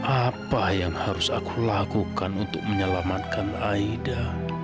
apa yang harus aku lakukan untuk menyelamatkan aida